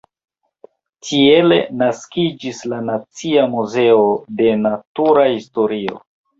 Tiele naskiĝis la Nacia Muzeo de Natura Historio.